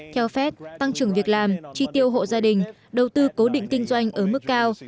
theo phép tăng trưởng việc làm chi tiêu hộ gia đình đầu tư cố định kinh doanh ở mức cao